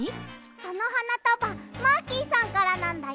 そのはなたばマーキーさんからなんだよ。